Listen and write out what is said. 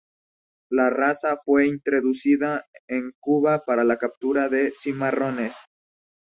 La raza fue introducida en Cuba para la captura de cimarrones.